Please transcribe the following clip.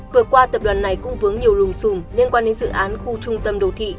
vừa qua tập đoàn này cung vướng nhiều rùm xùm liên quan đến dự án khu trung tâm đồ thị